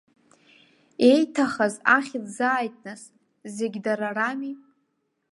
Еиҭахаз ахьӡзааит нас, зегьы дара рами.